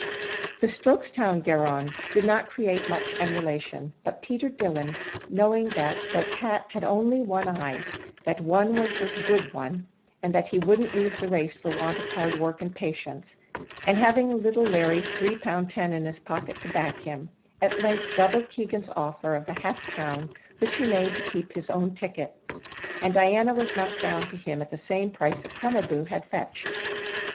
The Strokestown garron did not create much emulation, but Peter Dillon, knowing that though Pat had only one eye, that one was a good one, and that he wouldn't lose the race for want of hard work and patience, and having little Larry's three pound ten in his pocket to back him, at length doubled Keegan's offer of half a crown which he made to keep his own ticket, and Diana was knocked down to him at the same price that Crom a boo had fetched.